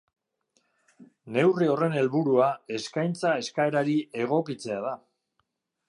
Neurri horren helburua eskaintza eskaerari egokitzea da.